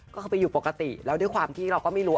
ก็คือไปอยู่ปกติแล้วด้วยความที่เราก็ไม่รู้